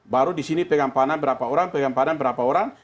baru di sini pegang panah berapa orang